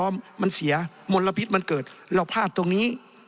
มันเสียมลพิษมันเกิดเราพลาดตรงนี้